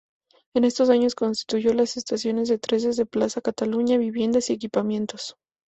En estos años, construyó la estación de trenes de Plaza Cataluña, viviendas y equipamientos.